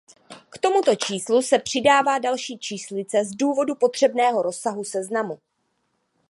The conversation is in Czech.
K tomuto číslu se přidává další číslice z důvodu potřebného rozsahu seznamu.